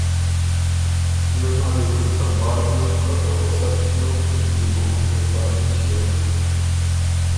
پیوز نر يې زُت سمبهال بیوک خه که غُصۀ بو ݭیوک بيې بو اُن جذباتي ݭیوک